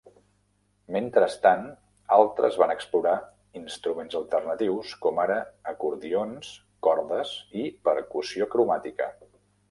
Mentrestant, altres van explorar instruments alternatius, com ara acordions, cordes i percussió cromàtica.